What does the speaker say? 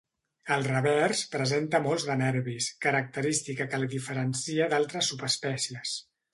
Al revers presenta molts de nervis, característica que la diferencia d'altres subespècies.